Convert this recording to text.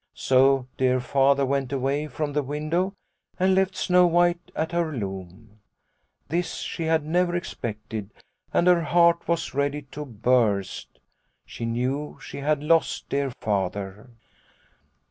So dear Father went away from the window and left Snow White at her loom. This she had never expected, and her heart was ready to burst. She knew she had lost dear Father."